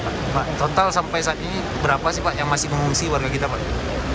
pak total sampai saat ini berapa sih pak yang masih mengungsi warga kita pak